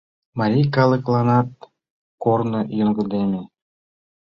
Марий калыкланат корно йоҥгыдеме.